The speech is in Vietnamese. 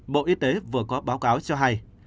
bộ y tế vừa có báo cáo cho hay